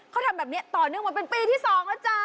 เขาทำแบบนี้ต่อเนื่องมาเป็นปีที่๒แล้วจ้า